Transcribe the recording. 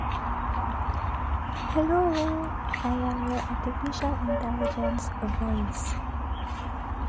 These cars were raced in Italian Rosso Corsa livery.